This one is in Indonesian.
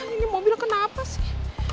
ini mobil kenapa sih